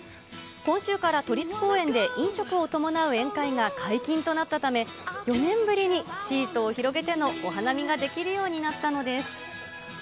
今週から都立公園で飲食を伴う宴会が解禁となったため、４年ぶりにシートを広げてのお花見ができるようになったのです。